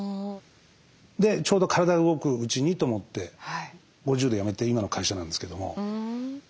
でちょうど体が動くうちにと思って５０で辞めて今の会社なんですけども。